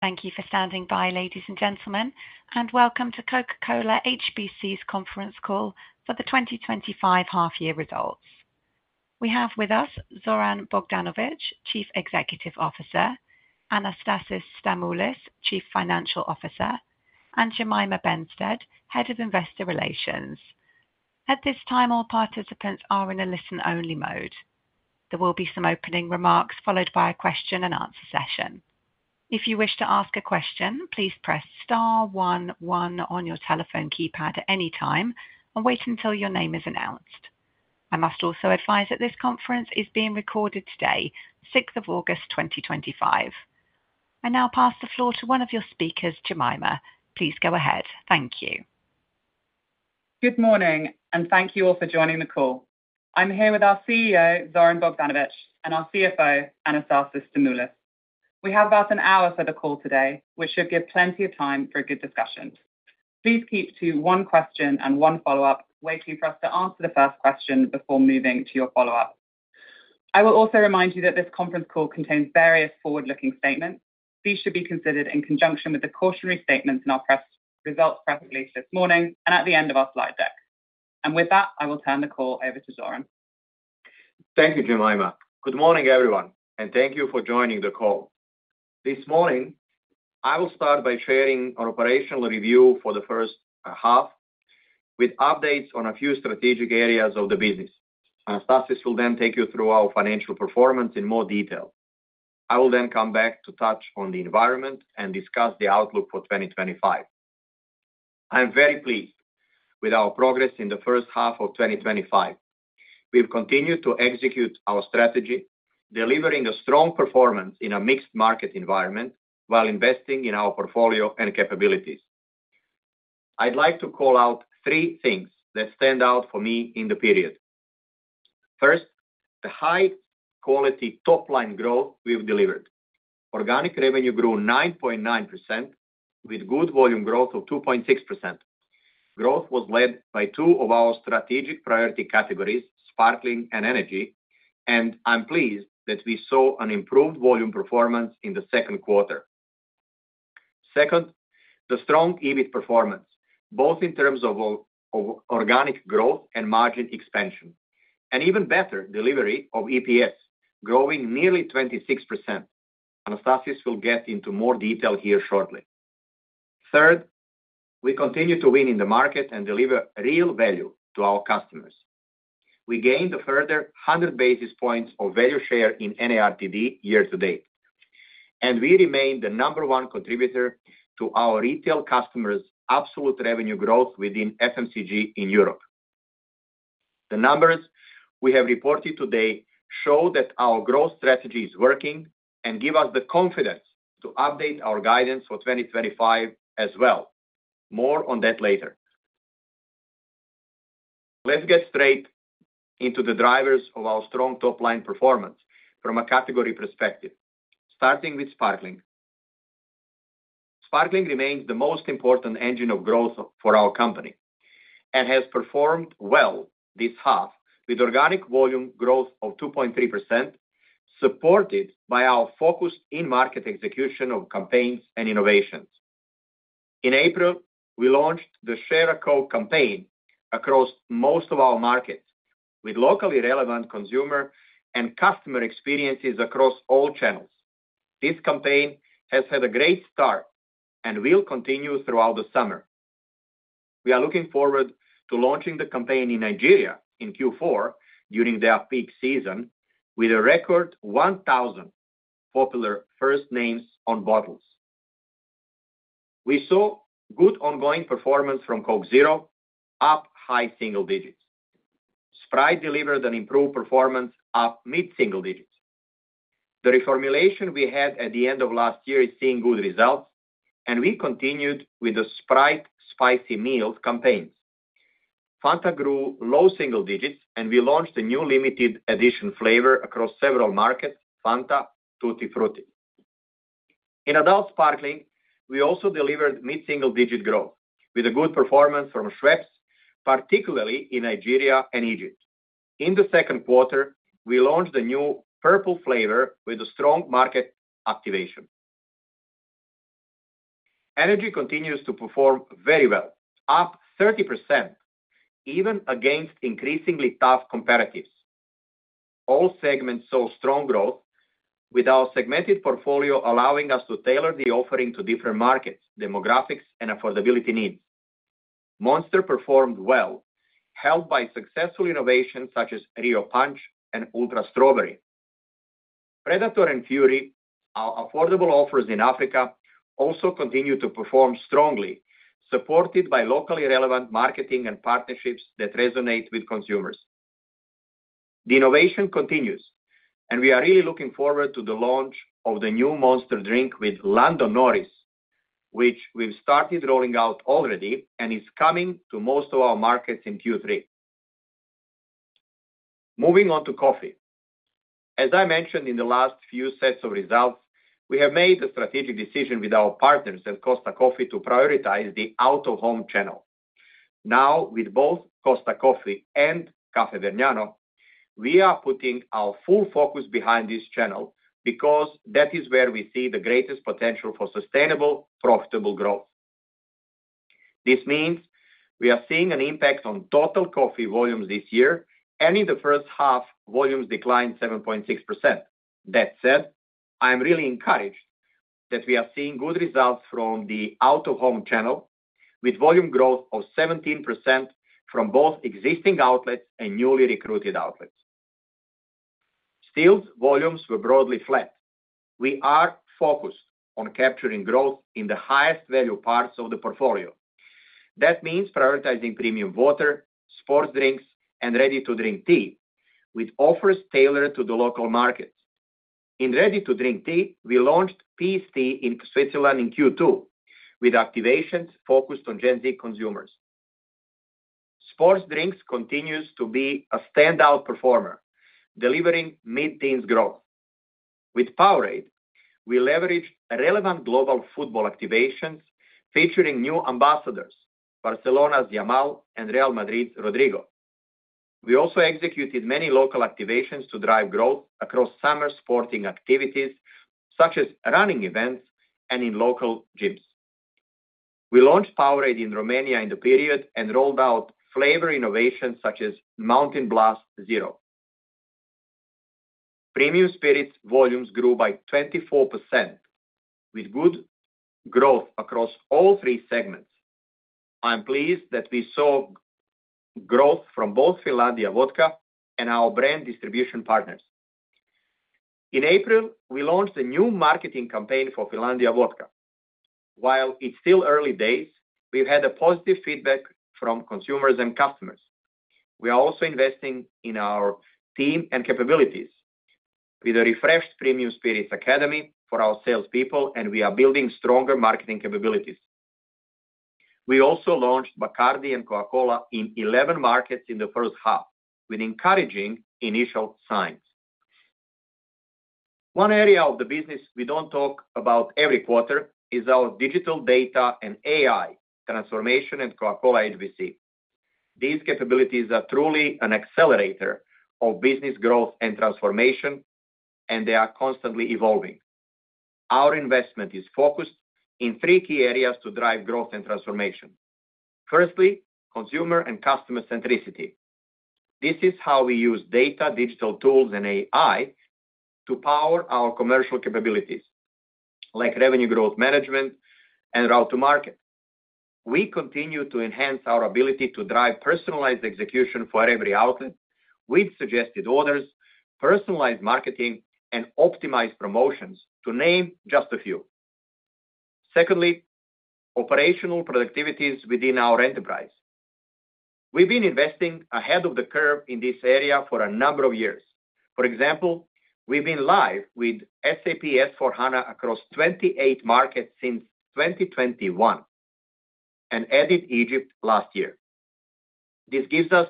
Thank you for standing by, ladies and gentlemen, and welcome to Coca-Cola HBC's conference call for the 2025 half year results. We have with us Zoran Bogdanovic, Chief Executive Officer, Anastasis Stamoulis, Chief Financial Officer, and Jemima Benstead, Head of Investor Relations. At this time all participants are in a listen-only mode. There will be some opening remarks followed by a question and answer session. If you wish to ask a question, please press star one one on your telephone keypad at any time and wait until your name is announced. I must also advise that this conference is being recorded today, 6th of August 2025. I now pass the floor to one of your speakers, Jemima. Please go ahead. Thank you. Good morning and thank you all for joining the call. I'm here with our CEO Zoran Bogdanovic. Our CFO Anastasis Stamoulis. We have about an hour for the call today, which should give plenty of time for a good discussion. Please keep to one question and one follow-up, waiting for us to answer the first question before moving to your follow-up. I will also remind you that this conference call contains various forward-looking statements. These should be considered in conjunction with the cautionary statements in our press results. Preparation this morning and at the end of our slide deck. With that I will turn the call over to Zoran. Thank you Jemima. Good morning everyone and thank you for joining the call this morning. I will start by sharing our operational review for the first half with updates on a few strategic areas of the business. Will then take you through our financial performance in more detail. I will then come back to touch on the environment and discuss the outlook for 2025. I am very pleased with our progress in the first half of 2025. We've continued to execute our strategy delivering a strong performance in a mixed market environment while investing in our portfolio and capabilities. I'd like to call out three things that stand out for me in the period. First, the high quality top line growth we've delivered. Organic revenue grew 9.9% with good volume growth of 2.6%. Growth was led by two of our strategic priority categories, sparkling and energy, and I'm pleased that we saw an improved volume performance in the second quarter. Second, the strong EBIT performance both in terms of organic growth and margin expansion and even better delivery of EPS growing nearly 26%. Anastasis will get into more detail here shortly. Third, we continue to win in the market and deliver real value to our customers. We gained a further 100 basis points of value share in NARTD year to date and we remain the number one contributor to our retail customers' absolute revenue growth within FMCG in Europe. The numbers we have reported today show that our growth strategy is working and give us the confidence to update our guidance for 2025 as well. More on that later. Let's get straight into the drivers of our strong top line performance from a category perspective, starting with sparkling. Sparkling remains the most important engine of growth for our company and has performed well this half with organic volume growth of 2.3% supported by our focus in market execution of campaigns and innovations. In April we launched the Share a Coke campaign across most of our markets with locally relevant consumer and customer experiences across all channels. This campaign has had a great start and will continue throughout the summer. We are looking forward to launching the campaign in Nigeria in Q4 during their peak season with a record 1,000 popular first names on bottles. We saw good ongoing performance from Coke Zero, up high single-digits. Sprite delivered an improved performance, up mid single-digits. The reformulation we had at the end of last year is seeing good results, and we continued with the Sprite Spicy Meals campaign. Fanta grew low single-digits, and we launched a new limited edition flavor across several markets, Fanta, Tutti Frutti. In Adult, Sparkling, we also delivered mid single-digit growth with a good performance from Schweppes, particularly in Nigeria and Egypt. In the second quarter, we launched a new purple flavor with a strong market activation. Energy continues to perform very well, up 30% even against increasingly tough comparatives. All segments saw strong growth, with our segmented portfolio allowing us to tailor the offering to different market demographics and affordability needs. Monster performed well, helped by successful innovations such as Rio Punch and Ultra Strawberry. Predator and Fury, our affordable offers in Africa also continue to perform strongly, supported by locally relevant marketing and partnerships that resonate with consumers. The innovation continues, and we are really looking forward to the launch of the new Monster Drink with Lando Norris, which we've started rolling out already and is coming to most of our markets in Q3. Moving on to coffee, as I mentioned in the last few sets of results, we have made the strategic decision with our partners at Costa Coffee to prioritize the out-of-home channel. Now, with both Costa Coffee and Caffè Vergnano, we are putting our full focus behind this channel because that is where we see the greatest potential for sustainable, profitable growth. This means we are seeing an impact on total coffee volumes this year, and in the first half, volumes declined 7.6%. That said, I am really encouraged that we are seeing good results from the out-of-home channel, with volume growth of 17% from both existing outlets and newly recruited outlets. Stills volumes were broadly flat. We are focused on capturing growth in the highest value parts of the portfolio. That means prioritizing premium water, sports drinks, and Ready to Drink Tea with offers tailored to the local market. In Ready to Drink Tea, we launched Peace Tea in Switzerland in Q2 with activations focused on Gen Z consumers. Sports drinks continues to be a standout performer, delivering mid teens growth with Powerade. We leveraged relevant global football activations featuring new ambassadors Barcelona Yamal and Real Madrid Rodrigo. We also executed many local activations to drive growth across summer sporting activities such as running events and in local gyms. We launched Powerade in Romania in the period and rolled out flavor innovations such as Mountain Blast Zero Premium Spirits volumes grew by 24% with good growth across all three segments. I'm pleased that we saw growth from both Finlandia Vodka and our brand distribution partners. In April, we launched a new marketing campaign for Finlandia Vodka. While it's still early days, we've had positive feedback from consumers and customers. We are also investing in our team and capabilities with a refreshed premium spirits academy for our salespeople, and we are building stronger marketing capabilities. We also launched Bacardi and Coca-Cola in 11 markets in the first half with encouraging initial signs. One area of the business we don't talk about every quarter is our digital data and AI transformation in Coca-Cola HBC. These capabilities are truly an accelerator of business growth and transformation, and they are constantly evolving. Our investment is focused in three key areas to drive growth and transformation. Firstly, consumer and customer centricity. This is how we use data, digital tools, and AI to power our commercial capabilities like revenue growth management and route to market. We continue to enhance our ability to drive personalized execution for every outlet with suggested orders, personalized marketing, and optimized promotions to name just a few. Secondly, operational productivities within our enterprise. We've been investing ahead of the curve in this area for a number of years. For example, we've been live with SAP S/4 Hana across 28 markets since 2021 and added Egypt last year. This gives us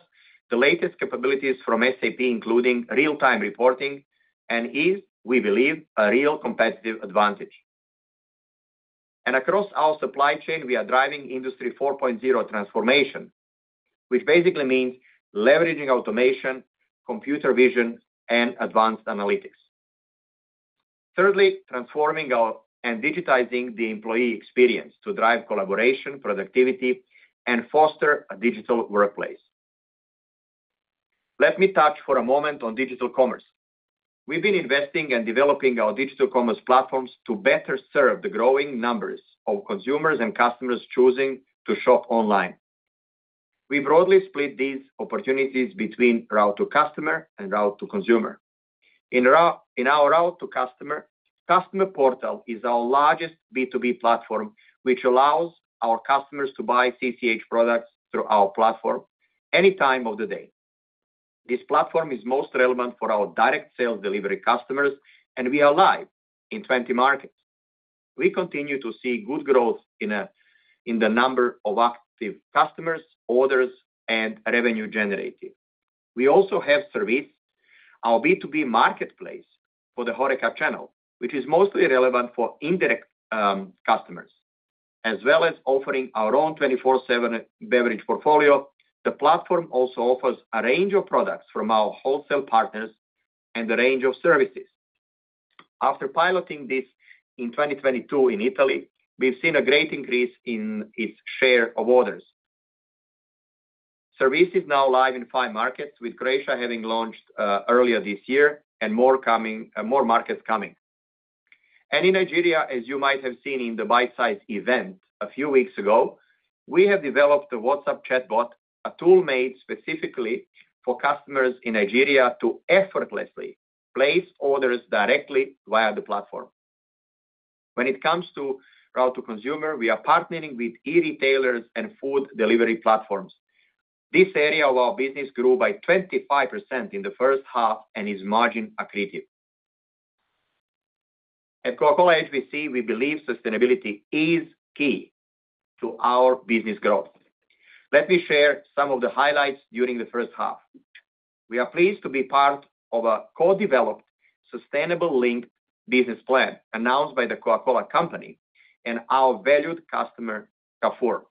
the latest capabilities from SAP including real-time reporting and is, we believe, a real competitive advantage. Across our supply chain, we are driving Industry 4.0 transformation, which basically means leveraging automation, computer vision, and advanced analytics. Thirdly, transforming and digitizing the employee experience to drive collaboration, productivity, and foster a digital workplace. Let me touch for a moment on digital commerce. We've been investing and developing our digital commerce platforms to better serve the growing numbers of consumers and customers choosing to shop online. We broadly split these opportunities between Route to Customer and Route to Consumer. In our Route to Customer, Customer Portal is our largest B2B platform, which allows our customers to buy CCH products through our platform any time of the day. This platform is most relevant for our direct sales delivery customers, and we are live in 20 markets. We continue to see good growth in the number of active customers, orders, and revenue generated. We also have Sirvis, our B2B marketplace for the HoReCa channel, which is mostly relevant for indirect customers. As well as offering our own 24/7 beverage portfolio, the platform also offers a range of products from our wholesale partners and a range of services. After piloting this in 2022 in Italy, we've seen a great increase in its share of orders. Sirvis is now live in five markets, with Croatia having launched earlier this year and more markets coming. In Nigeria, as you might have seen in the Bitesize event a few weeks ago, we have developed a WhatsApp chatbot, a tool made specifically for customers in Nigeria to effortlessly place orders directly via the platform. When it comes to Route to Consumer, we are partnering with e-retailers and food delivery platforms. This area of our business grew by 25% in the first half and is margin accretive. At Coca-Cola HBC, we believe sustainability is key to our business growth. Let me share some of the highlights. During the first half, we are pleased to be part of a co-developed sustainable linked business plan announced by The Coca-Cola Company and our valued customer Carrefour.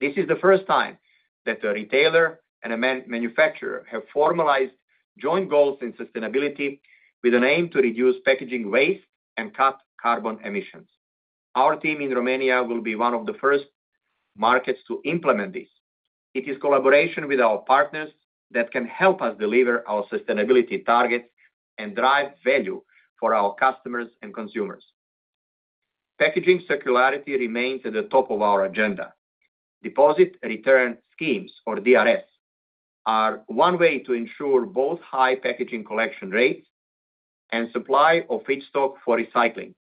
This is the first time that a retailer and a manufacturer have formalized joint goals in sustainability with an aim to reduce packaging waste and cut carbon emissions. Our team in Romania will be one of the first markets to implement this. It is collaboration with our partners that can help us deliver our sustainability targets and drive value for our customers and consumers. Packaging circularity remains at the top of our agenda. Deposit return schemes, or DRS, are one way to ensure both high packaging collection rate and supply of feedstock for recycling.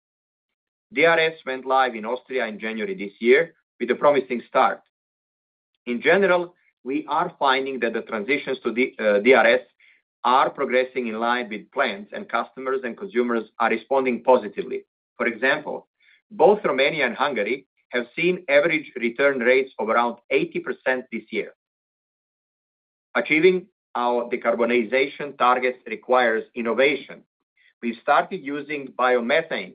DRS went live in Austria in January this year with a promising start. In general, we are finding that the transitions to DRS are progressing in line with plans, and customers and consumers are responding positively. For example, both Romania and Hungary have seen average return rates of around 80% this year. Achieving our decarbonization targets requires innovation. We started using biomethane,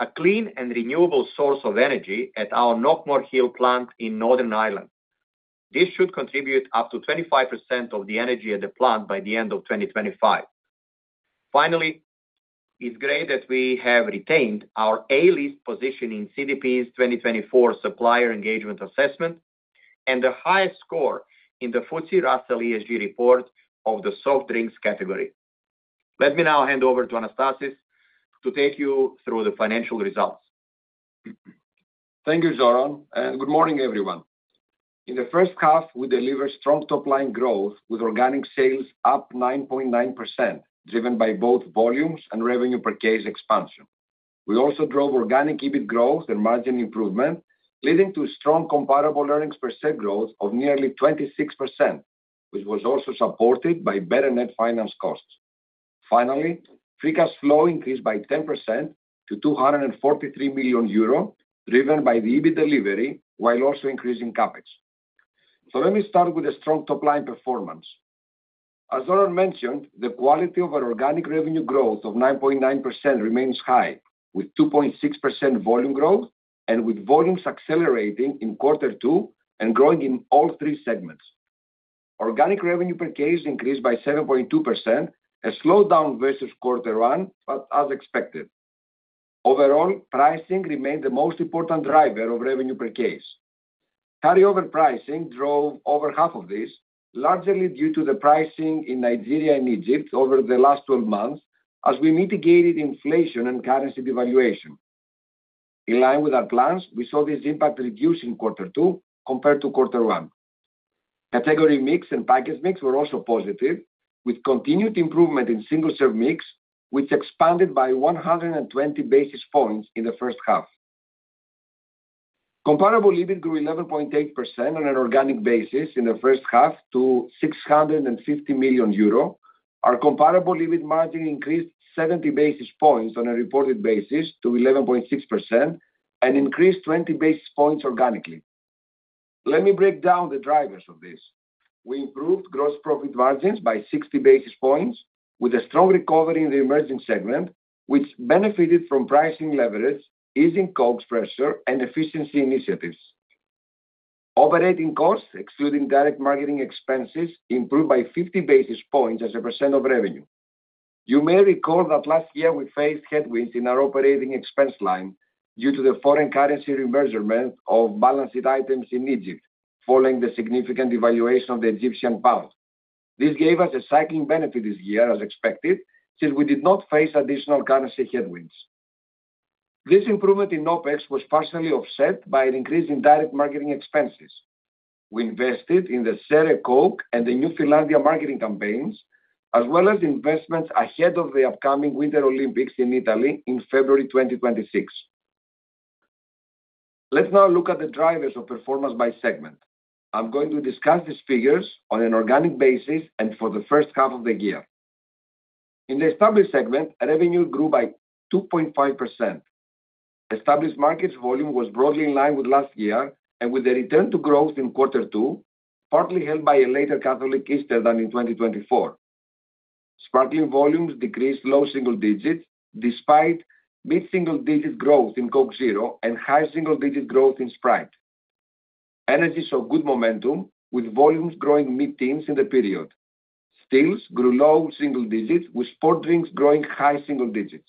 a clean and renewable source of energy at our Knockmore Hill plant in Northern Ireland. This should contribute up to 25% of the energy at the plant by the end of 2025. Finally, it's great that we have retained our A-list position in CDP's 2024 Supplier Engagement Assessment and the highest score in the FTSE Russell ESG Report of the Soft Drinks category. Let me now hand over to Anastasis to take you through the financial results. Thank you Zoran and good morning everyone. In the first half we delivered strong top line growth with organic sales up 9.9% driven by both volumes and revenue per case expansion. We also drove organic EBIT growth and margin improvement, leading to strong comparable earnings per share growth of nearly 26%, which was also supported by better net finance costs. Finally, free cash flow increased by 10% to 243 million euro, driven by the EBIT delivery while also increasing CapEx. Let me start with a strong top line performance. As Zoran mentioned, the quality of our organic revenue growth of 9.9% remains high with 2.6% volume growth and with volumes accelerating in quarter two and growing in all three segments, organic revenue per case increased by 7.2%, a slowdown vs quarter one. As expected, overall pricing remained the most important driver of revenue per case. Carryover pricing drove over half of this, largely due to the pricing in Nigeria and Egypt over the last 12 months as we mitigated inflation and currency devaluation. In line with our plans, we saw this impact reduced in quarter two compared to quarter one. Category mix and package mix were also positive with continued improvement in single serve mix, which expanded by 120 basis points in the first half. Comparable EBIT grew 11.8% on an organic basis in the first half to 650 million euro. Our comparable EBIT margin increased 70 basis points on a reported basis to 11.6% and increased 20 basis points organically. Let me break down the drivers of this. We improved gross profit margins by 60 basis points with a strong recovery in the emerging segment, which benefited from pricing leverage, easing cost pressure, and efficiency initiatives. Operating costs excluding direct marketing expenses improved by 50 basis points as a percent of revenue. You may recall that last year we faced headwinds in our operating expense line due to the foreign currency remeasurement of balance sheet items in Egypt following the significant devaluation of the Egyptian pound. This gave us a cycling benefit this year as expected since we did not face additional currency headwinds. This improvement in OpEx was partially offset by an increase in direct marketing expenses. We invested in the Share a Coke and the new Finlandia marketing campaigns as well as investments ahead of the upcoming Winter Olympics in Italy in February 2026. Let's now look at the drivers of performance by segment. I'm going to discuss these figures on an organic basis and for the first half of the year in the established segment, revenue grew by 2.5%. Established markets volume was broadly in line with last year and with a return to growth in quarter two, partly helped by a later Catholic Easter than in 2023. Sparkling volumes decreased low single digit despite mid single-digit growth in Coke Zero and high single-digit growth in Sprite. Energy saw good momentum with volumes growing mid teens in the period. Stills grew low single-digits with sports drinks growing high single-digits.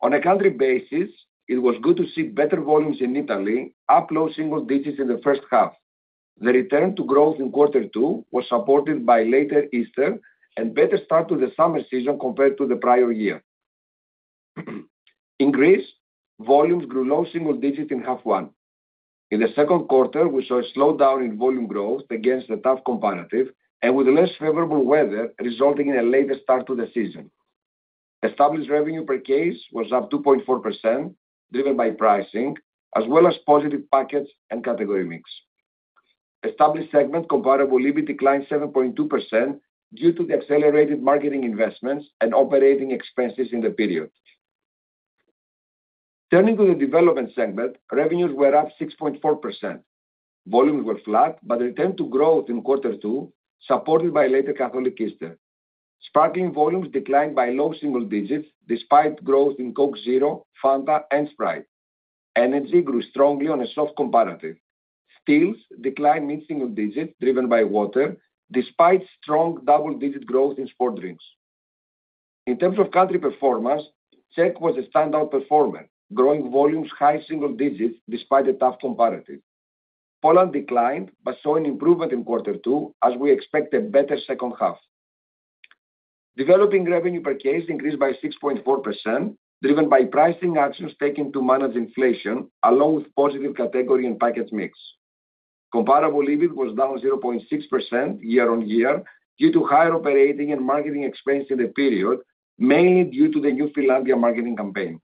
On a country basis, it was good to see better volumes in Italy, up low single digits in the first half. The return to growth in quarter two was supported by later Easter and better start to the summer season compared to the prior year. In Greece, volumes grew low single-digit in half one. In the second quarter, we saw a slowdown in volume growth against the tough comparative and with less favorable weather resulting in a late start to the season. Established revenue per case was up 2.4% driven by pricing as well as positive package and category mix. Established segment comparable EBIT declined 7.2% due to the accelerated marketing investments and operating expenses in the period. Turning to the developing segment, revenues were up 6.4%. Volumes were flat but returned to growth in quarter two supported by later Catholic Easter. Sparkling volumes declined by low single-digits despite growth in Coke Zero, Fanta, and Sprite. Energy grew strongly on a soft comparative. Stills declined mid single-digits driven by water despite strong double digit growth in sports drinks. In terms of country performance, Czech was a standout performer, growing volumes high single-digits despite the tough comparative. Poland declined but saw an improvement in quarter two as we expect a better second half. Developing revenue per case increased by 6.4% driven by pricing actions taken to manage inflation along with positive category and package mix. Comparable EBIT was down 0.6% year-on-year due to higher operating and marketing expense in the period, mainly due to the new philanthropy marketing campaign.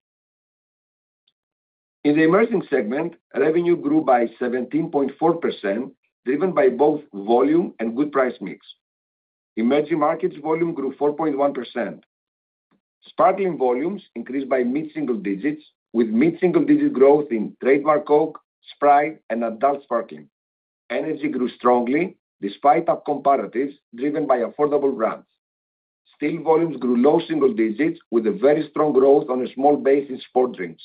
In the emerging segment, revenue grew by 17.4% driven by both volume and good price mix. Emerging markets volume grew 4.1%. Sparkling volumes increased by mid single-digits with mid single-digit growth in trademark Coke, Sprite, and Adult Sparkling energy grew strongly despite up comparatives driven by affordable brands. Steel volumes grew low single-digits with a very strong growth on a small basis in Sports drinks.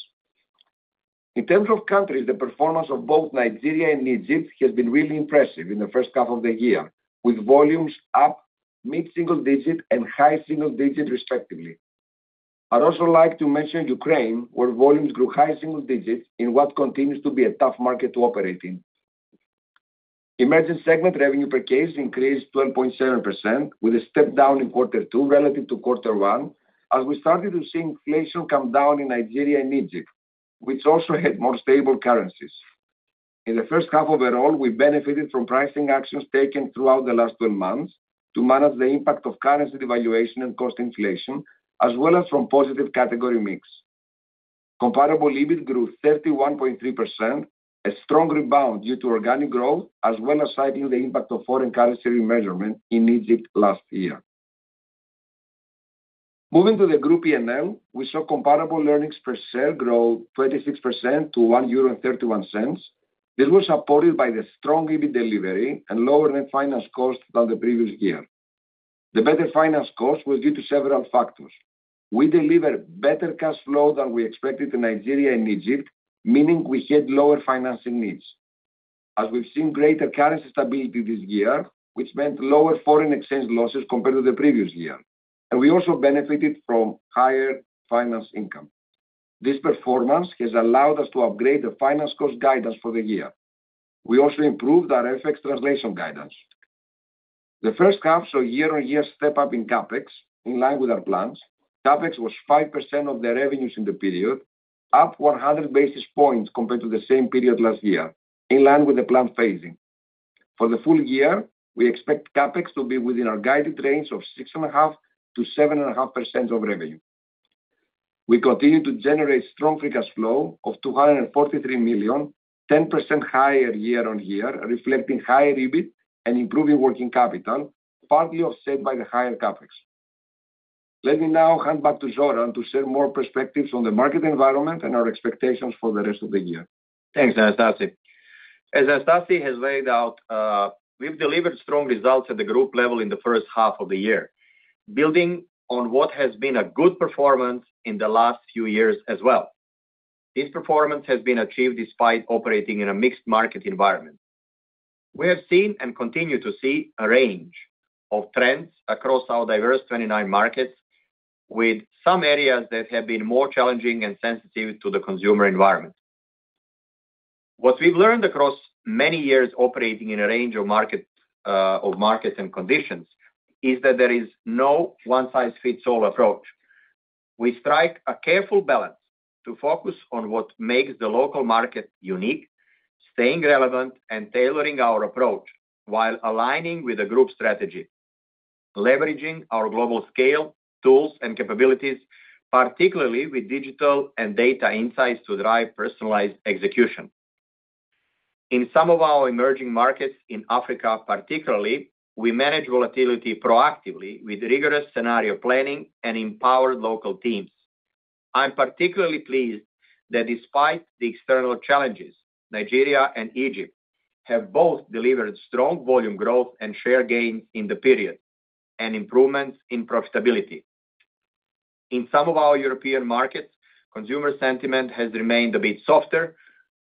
In terms of countries, the performance of both Nigeria and Egypt has been really impressive in the first half of the year, with volumes up mid single-digit and high single-digit respectively. I'd also like to mention Ukraine, where volumes grew high single-digits in what continues to be a tough market to operate in. Emerging segment revenue per case increased 12.7% with a step down in quarter two relative to quarter one as we started to see inflation come down in Nigeria and Egypt, which also had more stable currencies in the first half. Overall, we benefited from pricing actions taken throughout the last 12 months to manage the impact of currency devaluation and cost inflation as well as from positive category mix. Comparable EBIT grew 31.3%, a strong rebound due to organic growth as well as citing the impact of foreign currency remeasurement in Egypt last year. Moving to the Group P&L, we saw comparable earnings per share grow 26% to 1.31 euro. This was supported by the strong EBIT delivery and lower net finance cost than the previous year. The better finance costs were due to several factors. We delivered better cash flow than we expected in Nigeria and Egypt, meaning we had lower financing needs as we've seen greater currency stability this year, which meant lower foreign exchange losses compared to the previous year, and we also benefited from higher finance income. This performance has allowed us to upgrade the finance cost guidance for the year. We also improved our FX translation guidance. The first half saw year-on-year step up in CapEx in line with our plans. CapEx was 5% of the revenues in the period, up 100 basis points compared to the same period last year in line with the planned phasing. For the full year, we expect CapEx to be within our guided range of 6.5%-7.5% of revenue. We continue to generate strong free cash flow of 243 million, 10% higher year-on-year reflecting higher EBIT and improving working capital, partly offset by the higher CapEx. Let me now hand back to Zoran to share more perspectives on the market environment and our expectations for the rest of the year. Thanks, Anastasis. As Anastasis has laid out, we've delivered strong results at the group level in the first half of the year, building on what has been a good performance in the last few years as well. This performance has been achieved despite operating in a mixed market environment. We have seen and continue to see a range of trends across our diverse 29 markets, with some areas that have been more challenging and sensitive to the consumer environment. What we've learned across many years operating in a range of markets and conditions is that there is no one size fits all approach. We strike a careful balance to focus on what makes the local market unique, staying relevant and tailoring our approach while aligning with a group strategy, leveraging our global scale, tools, and capabilities, particularly with digital and data insights to drive personalized execution in some of our emerging markets. In Africa particularly, we manage volatility proactively with rigorous scenario planning and empower local teams. I am particularly pleased that despite the external challenges, Nigeria and Egypt have both delivered strong volume growth and share gain in the period and improvements in profitability. In some of our European markets, consumer sentiment has remained a bit softer,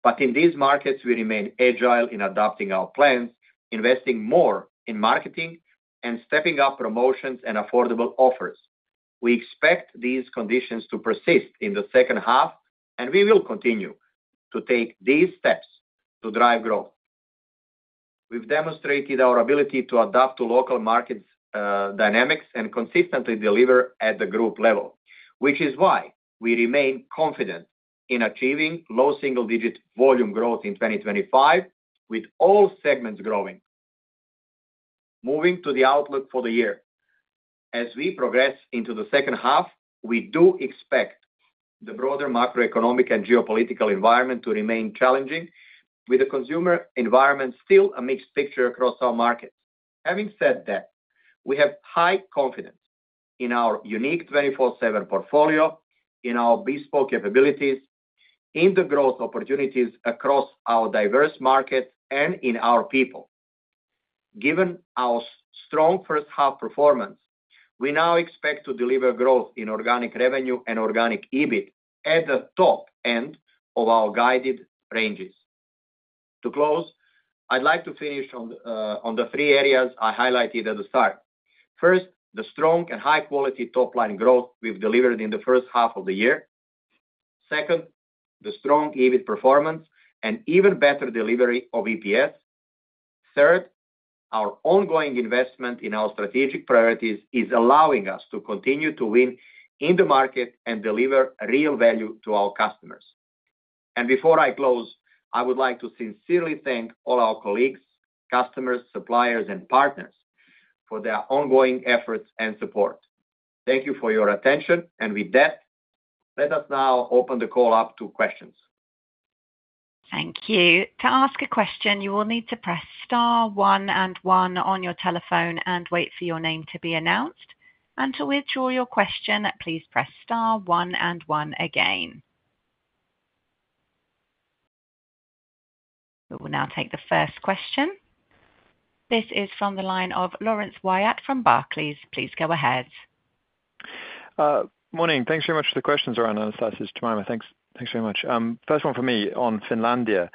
but in these markets we remain agile in adapting our plan, investing more in marketing, and stepping up promotions and affordable offers. We expect these conditions to persist in the second half and we will continue to take these steps to drive growth. We've demonstrated our ability to adapt to local market dynamics and consistently deliver at the group level, which is why we remain confident in achieving low single-digit volume growth in 2025 with all segments growing. Moving to the outlook for the year as we progress into the second half, we do expect the broader macro-economic and geopolitical environment to remain challenging with the consumer environment still a mixed picture across our market. Having said that, we have high confidence in our unique 24/7 portfolio, in our bespoke capabilities, in the growth opportunities across our diverse market, and in our people. Given our strong first half performance, we now expect to deliver growth in organic revenue and organic EBIT at the top end of our guided ranges. To close, I'd like to finish on the three areas I highlighted at the start. First, the strong and high quality top line growth we've delivered in the first half of the year. Second, the strong EBIT performance and even better delivery of EPS. Third, our ongoing investment in our strategic priorities is allowing us to continue to win in the market and deliver real value to our customers. Before I close, I would like to sincerely thank all our colleagues, customers, suppliers, and partners for their ongoing efforts and support. Thank you for your attention. With that, let us now open the call up to questions. Thank you. To ask a question you will need to press star one and one on your telephone and wait for your name to be announced. To withdraw your question, please press Star one and one again. We will now take the first question. This is from the line of Laurence Whyatt from Barclays. Please go ahead. Morning. Thanks very much for the questions. Anastasis, Jemima, thanks. Thanks very much. First one for me on Finlandia.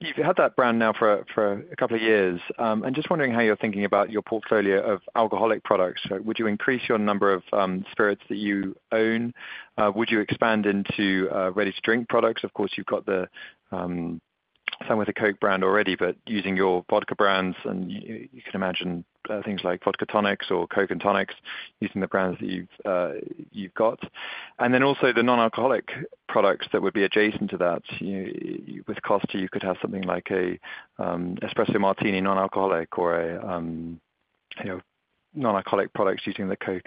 You've had that brand now for a couple of years. I'm just wondering how you're thinking about your portfolio of alcoholic products. Would you increase your number of spirits that you own? Would you expand into ready-to-drink products? Of course you've got some with the Coke brand already, but using your vodka brands and you can imagine things like vodka tonics or Coke and tonics using the brands that you've got and then also the non-alcoholic products that would be adjacent to that. With Costa you could have something like an Espresso Martini, non-alcoholic or non-alcoholic products using the Coke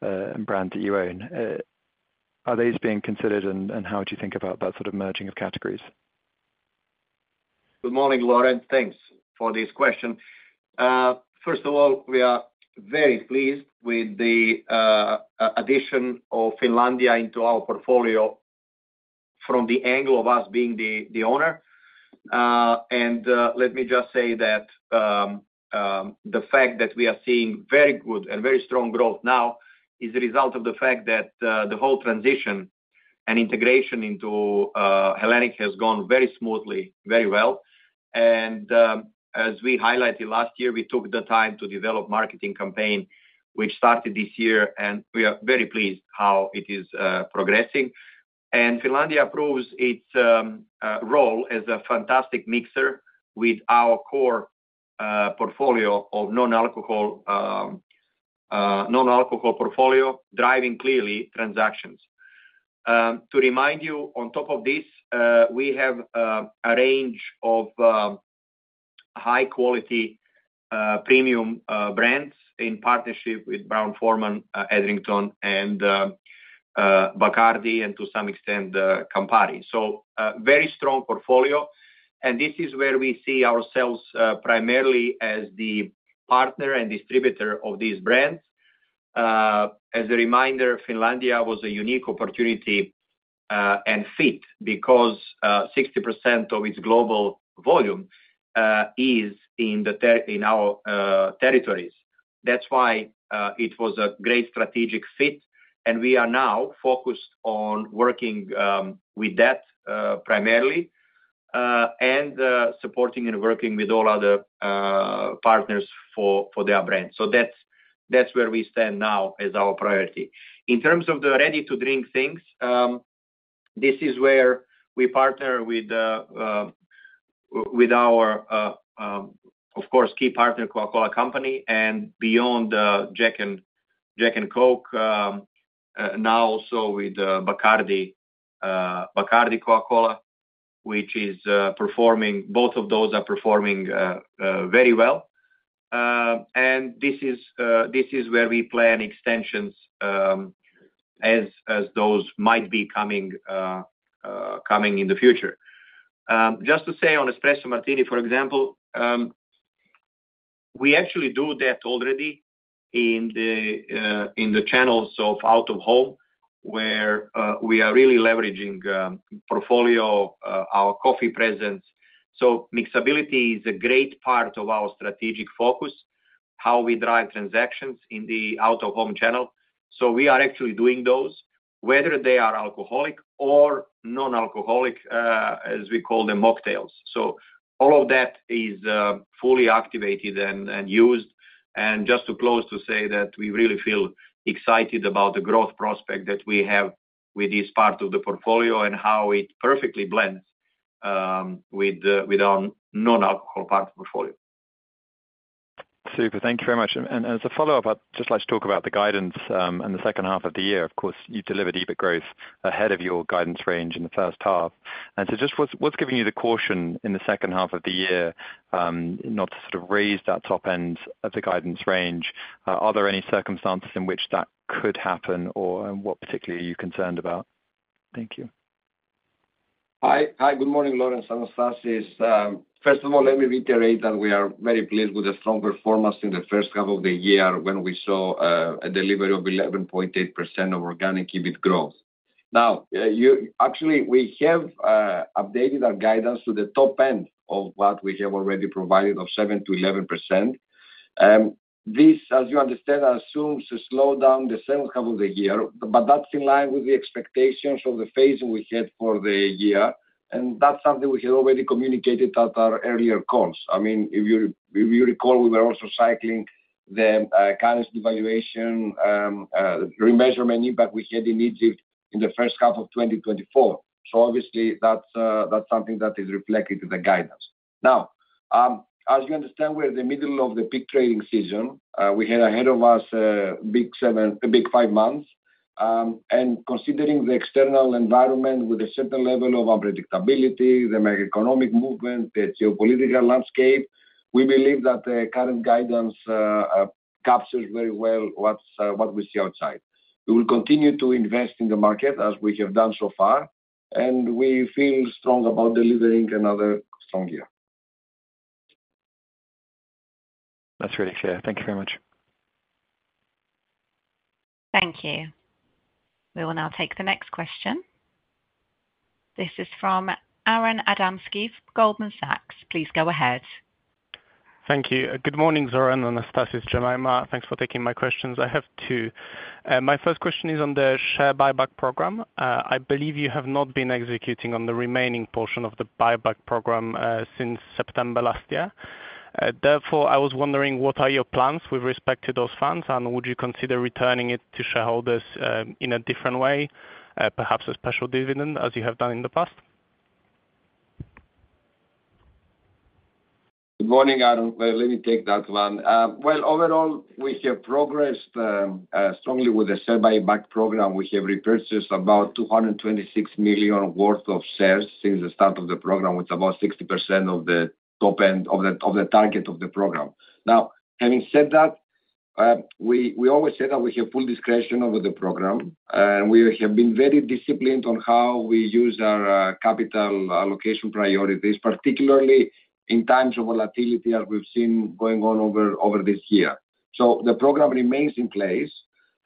brand that you own. Are these being considered and how do you think about that sort of merging of categories? Good morning Laurence. Thanks for this question. First of all, we are very pleased with the addition of Finlandia into our portfolio from the angle of us being the owner. Let me just say that the fact that we are seeing very good and very strong growth now is the result of the fact that the whole transition and integration into Hellenic has gone very smoothly, very well. As we highlighted last year, we took the time to develop a marketing campaign which started this year and we are very pleased how it is progressing. Finlandia proves its role as a fantastic mixer with our core portfolio of non-alcohol, non-alcohol portfolio driving clearly transactions. To remind you, on top of this we have a range of high quality premium brands in partnership with Brown-Forman, Edrington, and Bacardi and to some extent Campari. Very strong portfolio. This is where we see ourselves primarily as the partner and distributor of these brands. As a reminder, Finlandia was a unique opportunity and fit because 60% of its global volume is in our territories. That's why it was a great strategic fit and we are now focused on working with that primarily and supporting and working with all other partners for their brand. That's where we stand now as our priority in terms of the ready to drink things. This is where we partner with our, of course, key partner The Coca-Cola Company and beyond Jack and Coke now also with Bacardi, Bacardi and Coca-Cola which is performing both of those are performing very well. This is where we plan extensions as those might be coming in the future. Just to say on Espresso Martini for example, we actually do that already in the channels of out-of-home where we are really leveraging portfolio, our coffee presence. Mixability is a great part of our strategic focus, how we drive transactions in the out-of-home channel. We are actually doing those whether they are alcoholic or non-alcoholic as we call them, mocktails so all of that is fully activated and used. Just to close to say that we really feel excited about the growth prospect that we have with this part of the portfolio and how it perfectly blends with our non-alcohol part of the portfolio. Super. Thank you very much. As a follow up, I'd just like to talk about the guidance in the second half of the year. Of course, you delivered EBIT growth ahead of your guidance range in the first half. What's giving you the caution in the second half of the year not to raise that top end of the guidance range? Are there any circumstances in which that could happen or what particularly are you concerned about? Thank you. Hi, good morning. Laurence, Anastasis, first of all, let me reiterate that we are very pleased with the strong performance in the first half of the year when we saw a delivery of 11.8% organic EBIT growth. Now, actually, we have updated our guidance to the top end of what we have already provided of 7%-11%. This, as you understand, assumes slowdown in the second half of the year. That is in line with the expectations of the phase we had for the year and that's something we had already communicated at our earlier calls. If you recall, we were also cycling the catastrophe valuation, the remeasurement impact we had in Egypt in the first half of 2024. Obviously, that's something that is reflected in the guidance. Now, as you understand, we're in the middle of the peak trading season. We have ahead of us a big five months. Considering the external environment with a certain level of unpredictability, the macro-economic movement, the geopolitical landscape, we believe that the current guidance captures very well what we see outside. We will continue to invest in the market as we have done so far and we feel strong about delivering another strong year. That's really clear. Thank you very much. Thank you. We will now take the next question. This is from Aron Adamski from Goldman Sachs. Please go ahead. Thank you. Good morning. Zoran, Anastasis, Jemima, thanks for taking my questions. I have two. My first question is on the share buyback program. I believe you have not been executing on the remaining portion of the buyback program since September last year. Therefore, I was wondering what are your plans with respect to those funds and would you consider returning it to shareholders in a different way, perhaps a special dividend as you have done in the past? Good morning, Aron. Let me take that one. Overall, we have progressed strongly with the share buyback program. We have repurchased about $226 million worth of shares since the start of the program, with about 60% of the top end of the target of the program. Now, having said that, we always say that we have full discretion over the program. We have been very disciplined on how we use our capital allocation priorities, particularly in times of volatility, as we've seen going on over this year. The program remains in place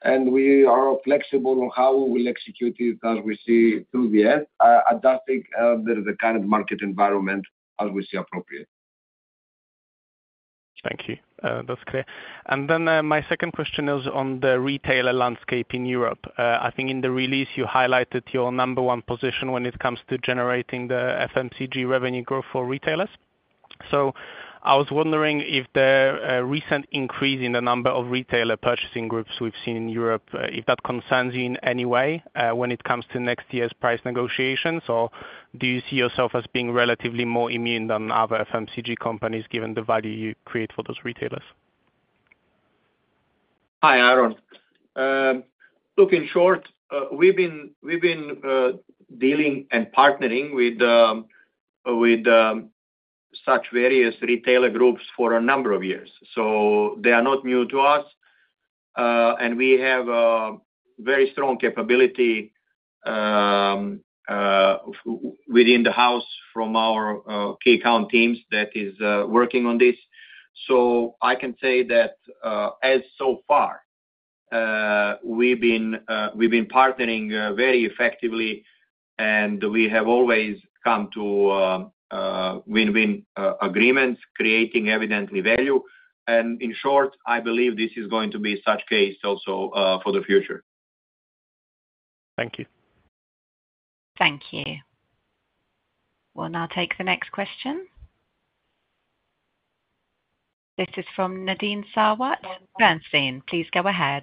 and we are flexible on how we'll execute it as we see through the year, adapting to the current market environment, always appropriate. Thank you. That's clear. My second question is on the retailer landscape in Europe. I think in the release you highlighted your number one position when it comes to generate the FMCG revenue growth for retailers. I was wondering if the recent increase in the number of retailer purchasing groups we've seen in Europe, if that concerns you in any way when it comes to next year's price negotiations, or? Do you see yourself as being relatively more immune than other FMCG companies given the value you create for those retailers? Hi Aron. In short, we've been dealing and partnering with such various retailer groups for a number of years. They are not new to us, and we have very strong capability. Within the house from our key account teams that is working on this, I can say that so far we've been partnering very effectively, and we have always come to win-win agreements, creating evident value. In short, I believe this is going to be such a case also for the future. Thank you. Thank you. We'll now take the next question. This is from Nadine Sarwat. Please go ahead.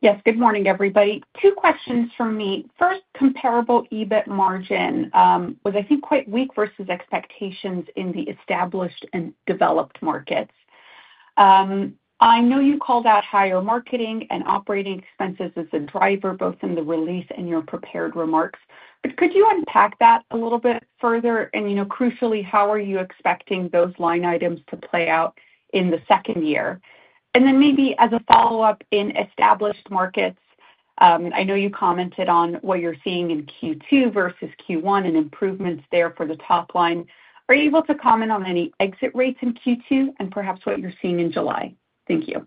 Yes, good morning everybody. Two questions for me. First, comparable EBIT margin was I think quite weak vs expectations in the established and developed markets. I know you called out higher marketing and operating expenses as a driver both in the release and your prepared remarks. Could you unpack that a little bit further? You know, crucially, how are you expecting those line items to play out in the second year and then maybe as a follow up in established markets? I know you commented on what you're seeing in Q2 vs Q1 and improvements there for the top line. Are you able to comment on any exit rates in Q2 and perhaps what you're seeing in July? Thank you.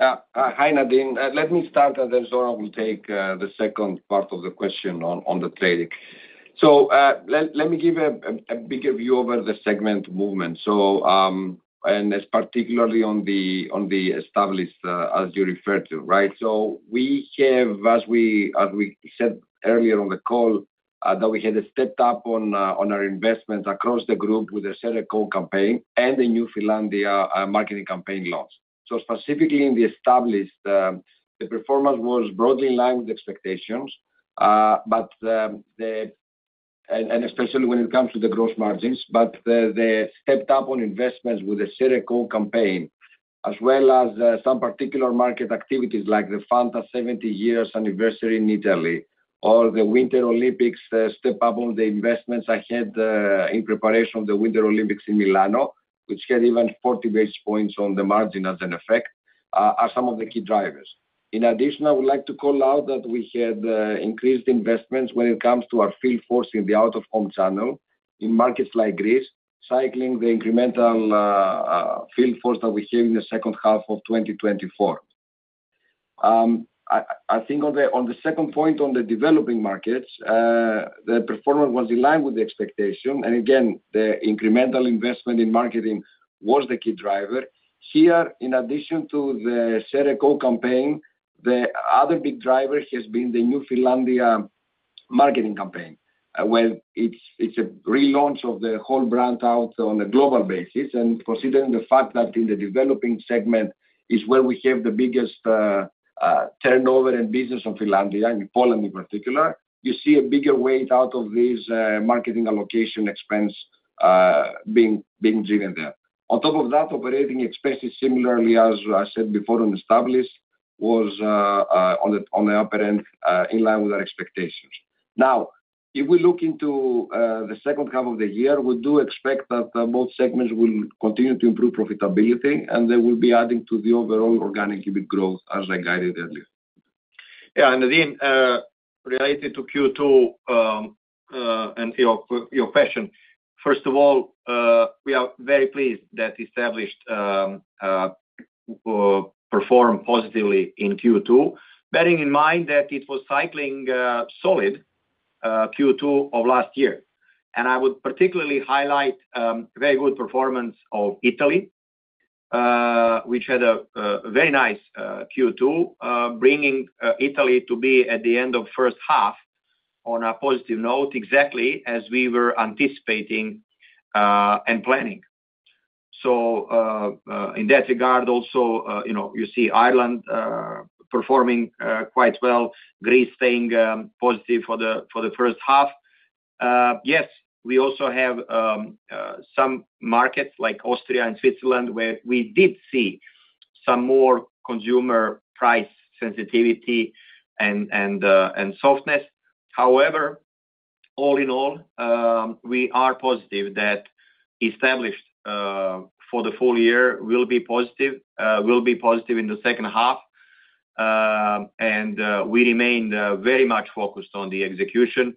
Hi Nadine. Let me start, then Zoran will take the second part of the question on the trading. Let me give a bigger view over the segment movement and particularly on the Established, as you referred to. Right. We have, as we said earlier on the call, stepped up on our investment across the group with the Share a Coke campaign and the new Finlandia marketing campaign launch. Specifically in the Established, the performance was broadly in line with expectations, especially when it comes to the gross margins. The step up on investments with the Share a Coke campaign, as well as some particular market activities like the Fanta 70 years anniversary in Italy or the Winter Olympics, step up on the investments ahead in preparation of the Winter Olympics in Milano, which had even 40 basis points on the margin as an effect, are some of the key drivers. In addition, I would like to call out that we had increased investments when it comes to our field force in the out-of-home channel in markets like Greece, cycling the incremental field force that we have in the second half of 2024. I think on the second point, on the Developing markets, the performance was in line with the expectation, and again the incremental investment in marketing was the key driver here. In addition to the Share a Coke campaign, the other big driver has been the new Finlandia marketing campaign. It's a relaunch of the whole brand out on a global basis. Considering the fact that in the Developing segment is where we have the biggest turnover in business in Finlandia, and Poland in particular, you see a bigger weight out of this marketing allocation expense being driven there. On top of that, operating expenses, similarly as said before in Established, was on the upper end in line with our expectations. Now, if we look into the second half of the year, we do expect that both segments will continue to improve profitability, and they will be adding to the overall organic EBIT growth as I guided earlier. Yeah Nadine, related to Q2 and your question, first of all, we are very pleased that established performed positively in Q2, bearing in mind that it was cycling a solid Q2 of last year. I would particularly highlight very good performance of Italy, which had a very nice Q2, bringing Italy to be at the end of first half on a positive note, exactly as we were anticipating and planning. In that regard, you see Ireland performing quite well, Greece staying positive for the first half. Yes, we also have some markets like Austria and Switzerland where we did see some more consumer price sensitivity and softness. However, all in all, we are positive that Established for the full year will be positive in the second half and we remain very much focused on the execution.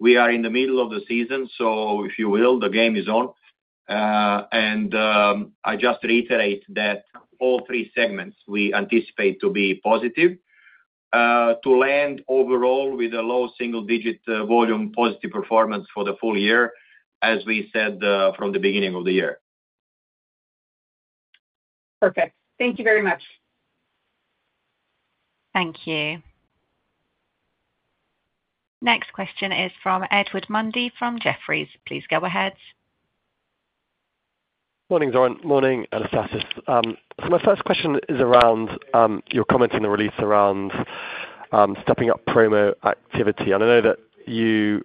We are in the middle of the season, so if you will, the game is on. I just reiterate that all three segments we anticipate to be positive to land overall with a low single-digit volume positive performance for the full year as we said from the beginning of the year. Perfect. Thank you very much. Thank you. Next question is from Edward Mundy from Jefferies. Please go ahead. Morning Zoran. Morning Anastasis. My first question is around your comment in the release around stepping up promo activity. I know that you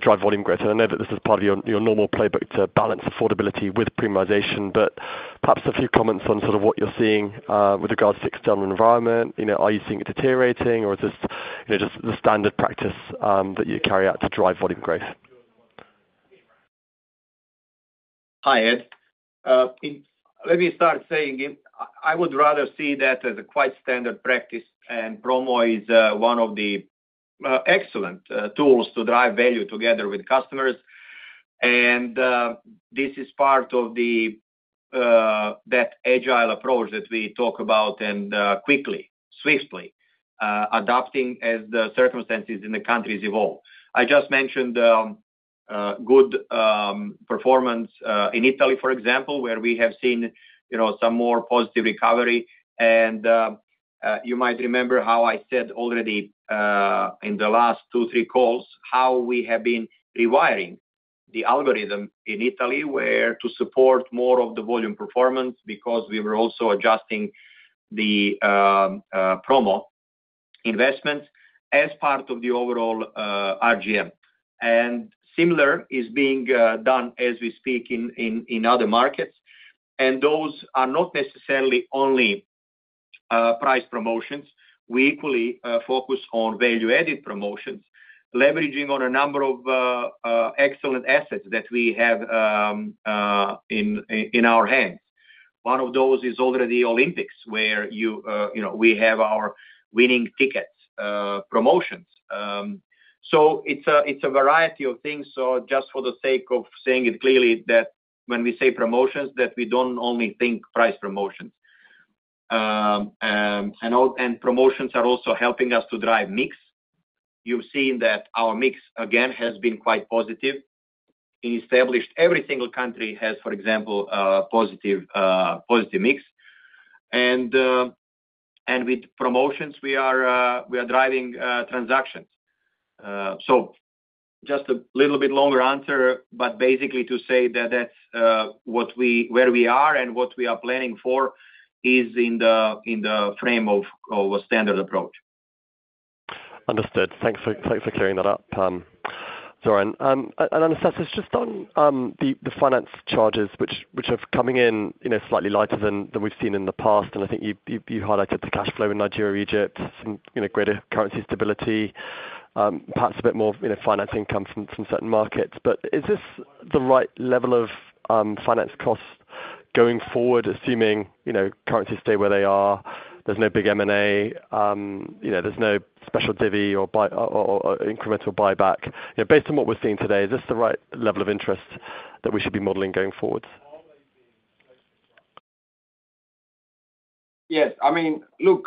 drive volume growth and I know that this is part of your normal playbook to balance affordability with premiumization, but perhaps a few comments on what you're seeing with regards to external environment. Are you seeing it deteriorating or is this just the standard practice that you carry out to drive volume growth? Hi Ed, let me start saying I would rather see that as a quite standard practice, and promo is one of the excellent tools to drive value together with customers. This is part of that agile approach that we talk about, and quickly, swiftly adapting as the circumstances in the countries evolve. I just mentioned good performance in Italy, for example, where we have seen some more positive recovery, and you might remember how I said already in the last two, three calls how we have been rewiring the algorithm in Italy to support more of the volume performance because we were also adjusting the promo investment as part of the overall RGM. Similar is being done as we speak in other markets, and those are not necessarily only price promotions. We equally focus on value-added promotions, leveraging on a number of excellent assets that we have in our hand. One of those is already Olympics, where we have our winning ticket promotions. It is a variety of things, just for the sake of saying it clearly, that when we say promotions, we do not only think price promotion, and promotions are also helping us to drive mix. You've seen that our mix again has been quite positive, established. Every single country has, for example, positive mix, and with promotions we are driving transactions. Just a little bit longer answer, but basically to say that where we are and what we are planning for is in the frame of a standard approach. Understood. Thanks for clearing that up. Zoran and Anastasis, just on the finance charges which are coming in slightly lighter than we've seen in the past, and I think you highlighted the cash flow in Nigeria, Egypt, some greater currency stability, perhaps a bit more finance income from certain markets. Is this the right level of finance costs going forward assuming currencies stay where they are? There's no big M&A, there's no special divvy or incremental buyback based on what we're seeing today. Is this the right level of interest that we should be modeling going forward? Yes, I mean look,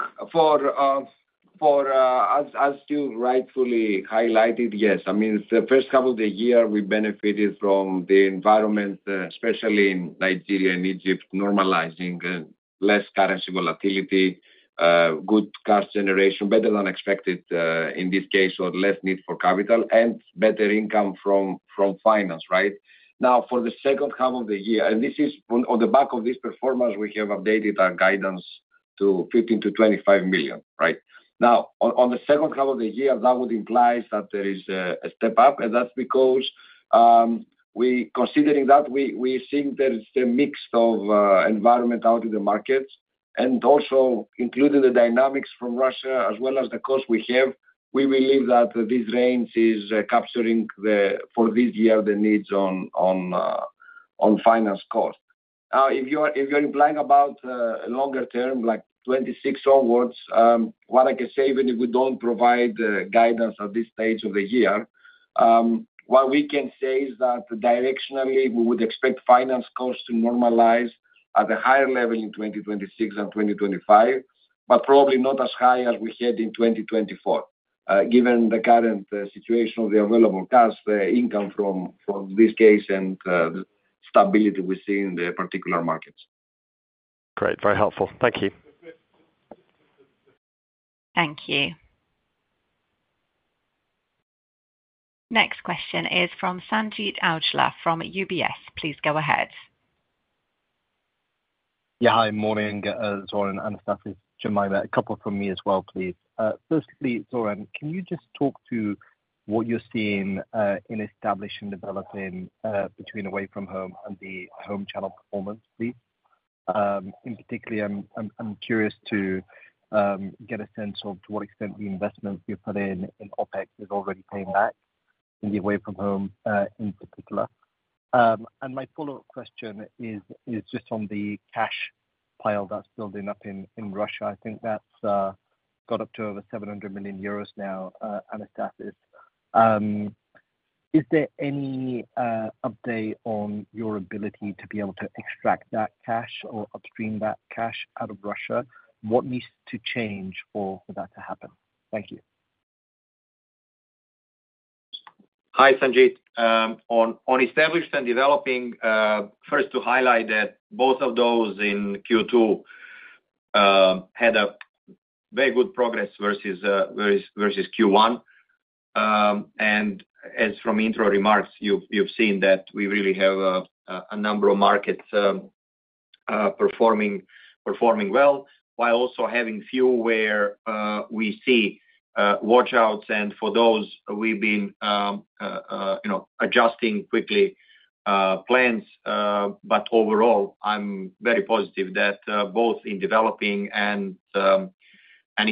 as you rightfully highlighted, yes. I mean the first half of the year we benefited from the environment, especially in Nigeria and Egypt, normalizing, less currency volatility, good cash generation, better than expected in this case or less need for capital and better income from finance. Right now for the second half of the year, and this is on the back of this performance, we have updated our guidance to 15 million-25 million right now on the second half of the year. That would imply that there is a step up and that's because we considering that we think that it's the mix of environment out in the markets and also including the dynamics from Russia as well as the cost we have. We believe that this range is capturing for this year the needs on finance cost. If you're implying about longer term like 2026 onwards, what I can say, even if we don't provide guidance at this stage of the year, what we can say is that directionally we would expect finance costs to normalize at a higher level in 2026 and 2025, but probably not as high as we had in 2024 given the current situation of the available cash, the income from this case and the stability we see in the particular markets. Great, very helpful. Thank you. Thank you. Next question is from Sanjeet Aujla from UBS. Please go ahead. Yeah, hi, morning Zoran, Anastasis, Jemima. Couple from me as well, please. Firstly, Zoran, can you just talk to what you're seeing in establishing, developing between away from home and the home channel performance in particular, I'm curious to get a sense of to what extent investment you put in OpEx is already paying back in the away from home in particular. My follow up question is just on the cash pile that's building up in Russia, I think that's got up to over 700 million euros now. Anastasis, is there any update on your ability to be able to extract that cash or upstream that cash out of Russia? What needs to change for that to happen? Thank you. Hi Sanjeet. On established and developing, first to highlight that both of those in Q2 had very good progress vs Q1. As from intro remarks, you've seen that we really have a number of markets performing well while also having a few where we see watch outs, and for those we've been adjusting quickly plans. Overall, I'm very positive that both in developing and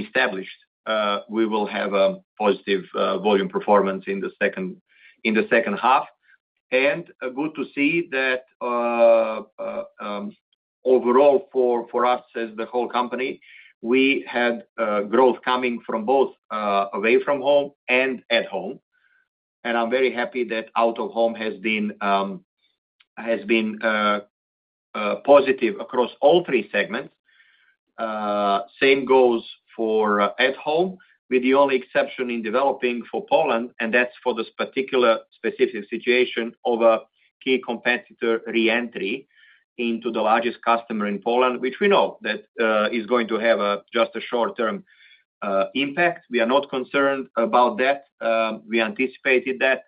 established we will have a positive volume performance in the second half, and good to see that overall for us as the whole company, we had growth coming from both away from home and at home. I'm very happy that out of home has been positive across all three segments. Same goes for at home, with the only exception in developing for Poland, and that's for this particular specific situation of a key competitor reentry into the largest customer in Poland, which we know is going to have just a short-term impact. We are not concerned about that. We anticipated that.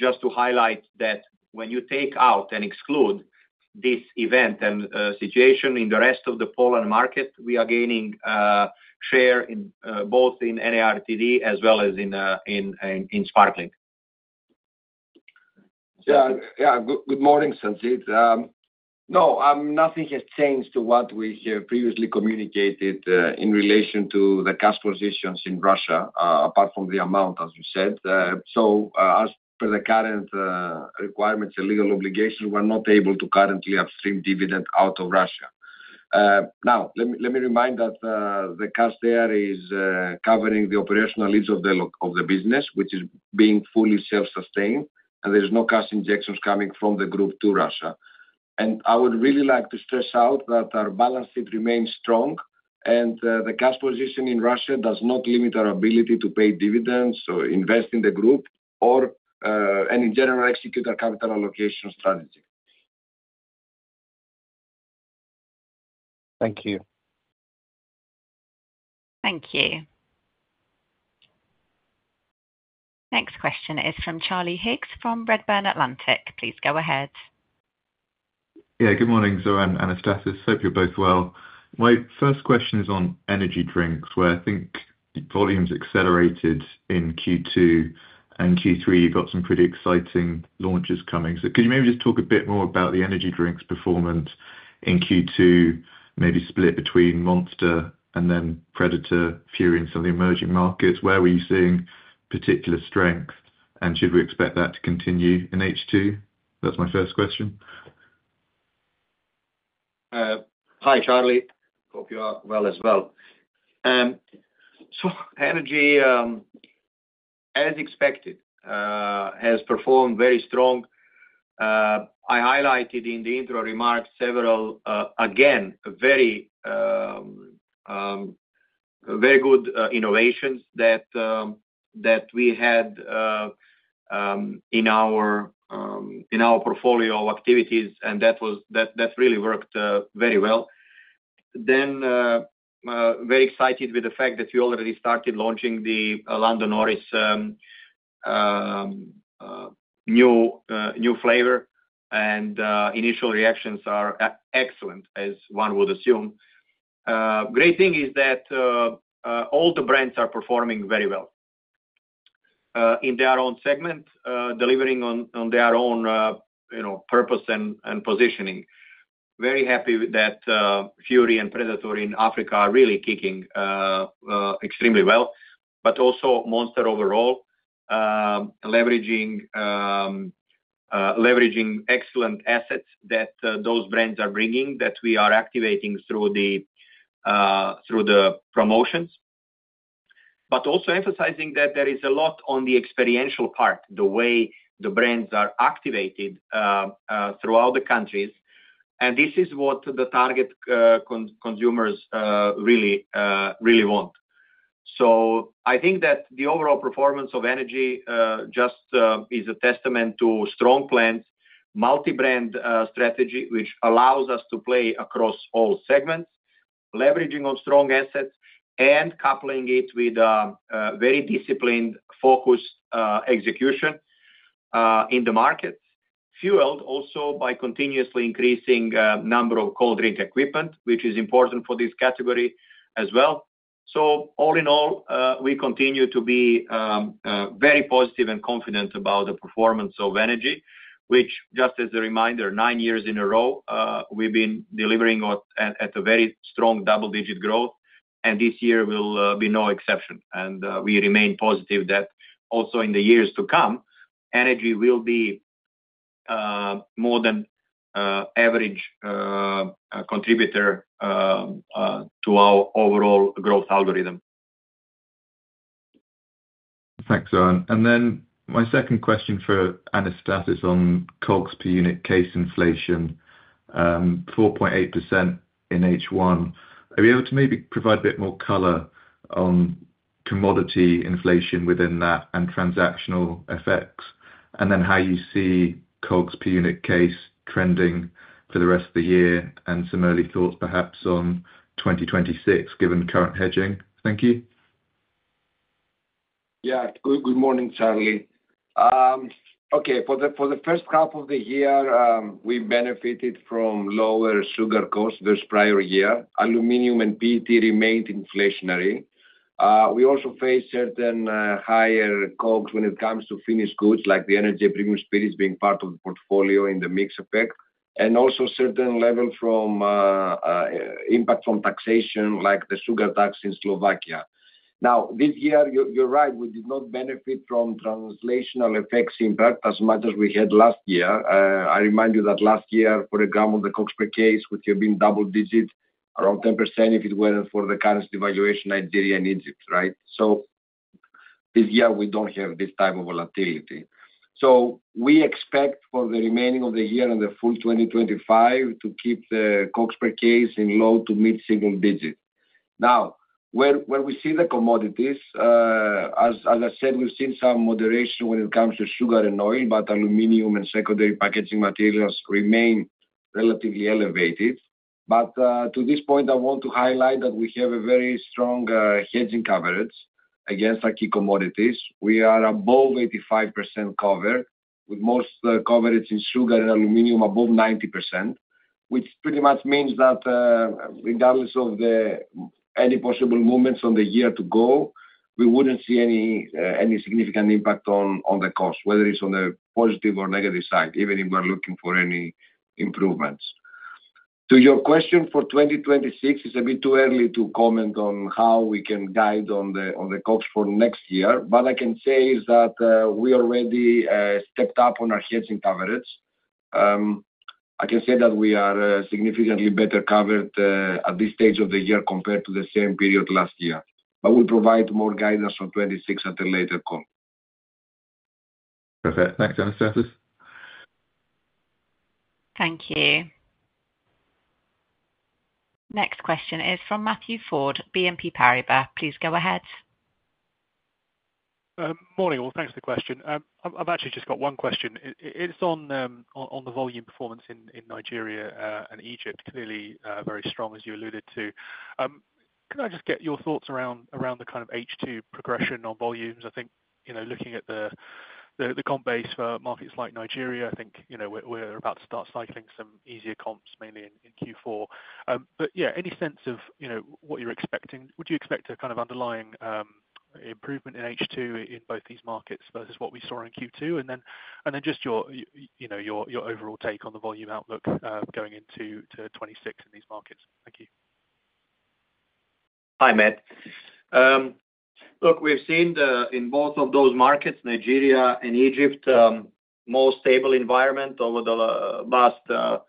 Just to highlight that when you take out and exclude this event and situation in the rest of the Poland market, we are gaining share both in NARTD as well as in Sparkling. Good morning, Sanjeet. No, nothing has changed to what we have previously communicated in relation to the cash positions in Russia apart from the amount, as you said. As per the current requirements and legal obligations, we're not able to currently have a dividend out of Russia. Let me remind that the cash there is covering the operational needs of the business, which is being fully self-sustained, and there's no cash injections coming from the group to Russia. I would really like to stress that our balance sheet remains strong, and the cash position in Russia does not limit our ability to pay dividends or invest in the group or in general execute our capital allocation strategy. Thank you. Thank you. Next question is from Charlie Higgs from Redburn Limited. Please go ahead. Yeah, good morning Zoran and Anastasis. Hope you're both well. My first question is on energy drinks where I think volumes accelerated in Q2 and Q3. You've got some pretty exciting launches coming. Could you maybe just talk a bit more about the energy drinks performance in Q2? Maybe split between Monster and then Predator, Fury in some of the emerging markets where were you seeing particular strength and should we expect that to continue in H2? That's my first question. Hi Charlie, hope you are well as well. Energy, as expected, has performed very strong. I highlighted in the intro remarks several, again, very, very good innovations that we had in our portfolio activities and that really worked very well, very excited with the fact that we already started launching the Lando Norris new flavor and initial reactions are excellent as one would assume. The great thing is that all the brands are performing very well in their own segment, delivering on their own purpose and positioning. Very happy that Fury and Predator in Africa are really kicking extremely well. Monster overall is leveraging excellent assets that those brands are bringing that we are activating through the promotions, but also emphasizing that there is a lot on the experiential part, the way the brands are activated throughout the countries, and this is what the target consumers really, really want. I think that the overall performance of energy just is a testament to strong plans, multi-brand strategy, which allows us to play across all segments, leveraging strong assets and coupling it with very disciplined focus execution in the market, fueled also by continuously increasing number of cold drink equipment, which is important for this category as well. All in all, we continue to be very positive and confident about the performance of energy, which, just as a reminder, nine years in a row we've been delivering at a very strong double-digit growth, and this year will be no exception. We remain positive that also in the years to come, energy will be more than average contributor to our overall growth algorithm. Thanks, Zohan. My second question for Anastasis on COGS per unit case inflation, 4.8% in H1. Are you able to maybe provide a bit more color on commodity inflation within that and transactional effects, and then how you see COGS per unit case trending for the rest of the year? Some early thoughts perhaps on 2026 given current hedging? Thank you. Yeah, good morning Charlie. Okay, for the first half of the year we benefited from lower sugar costs vs prior year. Aluminum and PET remained inflationary. We also face certain higher COGS when it comes to finished goods like the energy, premium spirits being part of the portfolio in the mix effect, and also certain level from impact from taxation like the sugar tax in Slovakia. Now this year you're right, we did not benefit from translational effects impact as much as we had last year. I remind you that last year, for example, the cold spring case which had been double digitized by Google, around 10% if it were for the currency valuation. Nigeria and Egypt right? This year we don't have this type of volatility. We expect for the remaining of the year and the full 2025 to keep the cost per case in low to mid single-digit. When we see the commodities, as I said, we've seen some moderation when it comes to sugar and oil, but aluminum and secondary packaging materials remain relatively elevated. To this point, I want to highlight that we have a very strong hedging coverage against our key commodities. We are above 85% cover with most coverage in sugar and aluminum above 90%, which pretty much means that regardless of any possible movements on the year to go, we wouldn't see any significant impact on the cost, whether it's on the positive or negative side. Even if we're looking for any improvements to your question for 2026, it's a bit too early to comment on how we can guide on the cost for next year. What I can say is that we already stepped up on our hedging coverage. I can say that we are significantly better covered at this stage of the year compared to the same period last year. We'll provide more guidance on 2026 at a later comp. Perfect, thanks. Thank you. Next question is from Matthew Ford, BNP Paribas. Please go ahead. Morning all. Thanks for the question. I've actually just got one question. It's on the volume performance in Nigeria and Egypt. Clearly very strong as you alluded to. Can I just get your thoughts around the kind of H2 progression on volumes? I think looking at the comp base for markets like Nigeria, I think we're about to start cycling some easier comps, mainly in Q4. Any sense of what you're expecting, would you expect a kind of underlying improvement in H2 in both these markets vs what we saw in Q2 and then just your overall take on the volume outlook going into 2026 in these markets? Thank you. Hi Matt. We've seen in both of those markets, Nigeria and Egypt, a more stable environment over the last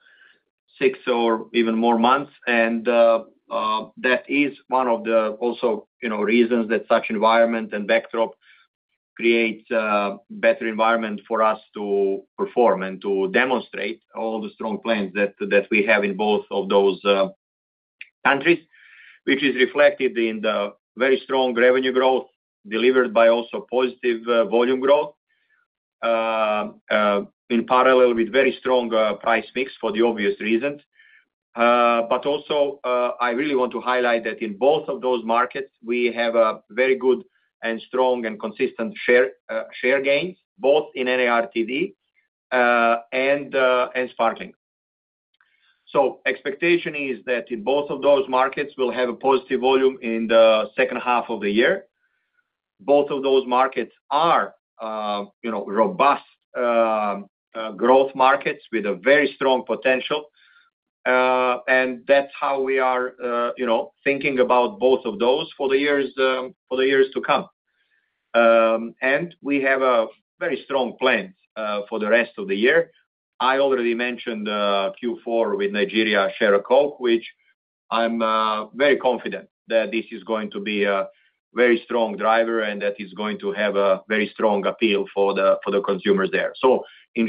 six or even more months, and that is also one of the reasons that such environment and backdrop create a better environment for us to perform and to demonstrate all the strong plans that we have in both of those countries, which is reflected in the very strong revenue growth delivered by also positive volume growth in parallel with very strong price mix for the obvious reason. I really want to highlight that in both of those markets we have a very good and strong and consistent share gain both in NARTD and Sparkling. Expectation is that both of those markets will have a positive volume in the second half of the year. Both of those markets are robust growth markets with very strong potential, and that's how we are thinking about both of those for the years to come, and we have a very strong plan for the rest of the year. I already mentioned Q4 with Nigeria Share a Coke, which I'm very confident that this is going to be a very strong driver and that is going to have a very strong appeal for the consumers there. In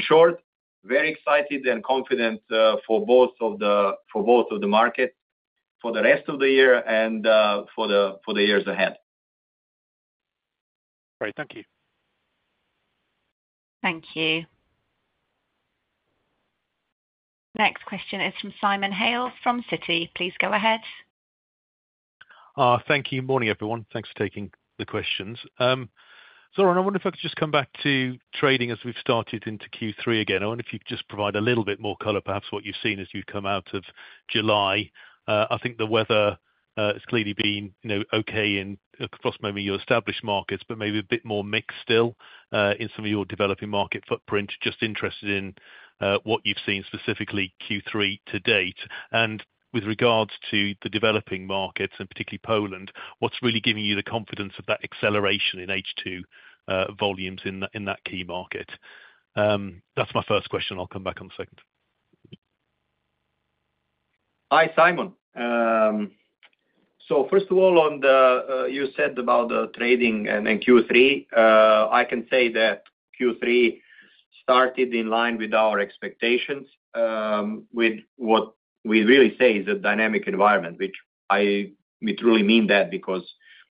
short, very excited and confident for both of the markets for the rest of the year and for the years ahead. Great. Thank you. Thank you. Next question is from Simon Hales from Citi. Please go ahead. Thank you. Morning everyone. Thanks for taking the questions. Zoran, I wonder if I could just. Come back to trading. As we've started into Q3 again, I wonder if you could just provide a little bit more color, perhaps what you've seen as you come out of July. I think the weather has clearly been okay in your established markets, but maybe a bit more mix still in some of your developing market footprint. Just interested in what you've seen specifically Q3 to date, and with regards to the developing markets and particularly Poland, what's really giving you the confidence of that acceleration in H2 volumes in that key market? That's my first question. I'll come back in a second. Hi, Simon. So first of all on the you said about the trading and Q3, I can say that Q3 started in line with our expectations, with what we really say is a dynamic environment, which I, we truly mean that because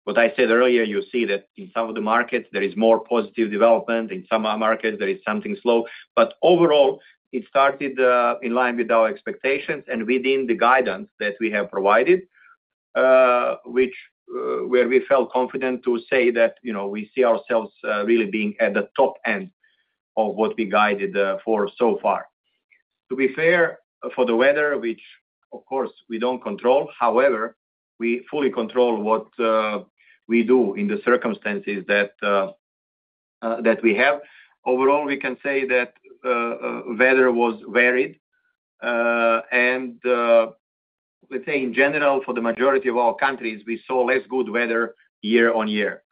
what I said earlier, you see that in some of the markets there is more positive development. In some of our markets there is something slow. Overall it started in line with our expectations and within the guidance that we have provided where we felt confident to say that we see ourselves really being at the top end of what we guided for so far to be fair for the weather, which of course we don't control. However, we fully control what we do in the circumstances that we have. Overall, we can say that weather was varied and let's say in general for the majority of all countries, we saw less good weather. Year-on-year